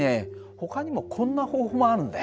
ほかにもこんな方法もあるんだよ。